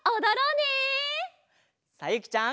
さゆきちゃん。